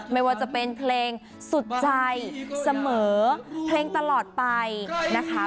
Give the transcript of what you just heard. ไม่ว่าจะเป็นเพลงสุดใจเสมอเพลงตลอดไปนะคะ